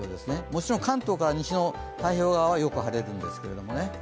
もちろん関東から西の太平洋側はよく晴れるんですけどもね。